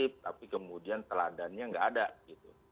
tapi kemudian teladannya nggak ada gitu